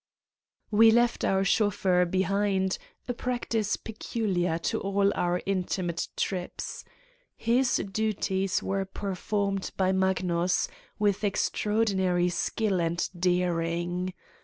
We left our chauffeur behind, a prac tice peculiar to all our intimate trips. His du ties were performed by Magnus, with extraordin ary skill and daring.